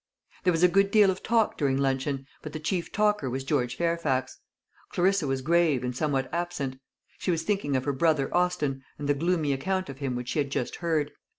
There was a good deal of talk during luncheon, but the chief talker was George Fairfax. Clarissa was grave and somewhat absent. She was thinking of her brother Austin, and the gloomy account of him which she had just heard.